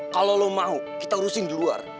kalau lo mau kita urusin di luar